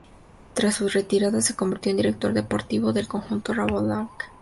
Tras su retirada se convirtió en director deportivo del conjunto Rabobank Development Team.